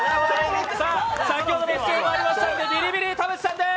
先ほどの不正もありましたのでビリビリ、田渕さんです。